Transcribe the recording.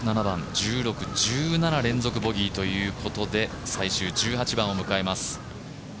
１６、１７連続ボギーということで最終１８番を迎えます。